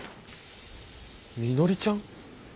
みのりちゃん！？